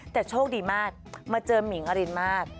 แต่โชคดีมากมาเจอหมิงอรินมาก